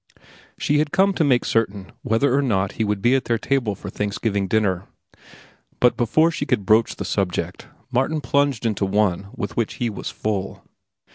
She had come to make certain whether or not he would be at their table for Thanksgiving dinner; but before she could broach the subject Martin plunged into the one with which he was full.